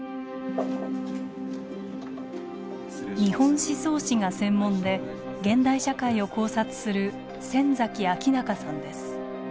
日本思想史が専門で現代社会を考察する先彰容さんです。